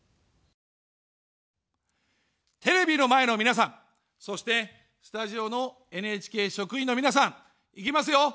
テレビの前の皆さん、そしてスタジオのＮＨＫ職員の皆さん、いきますよ。